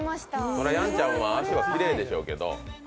そりゃ、やんちゃんは足はきれいでしょうけど。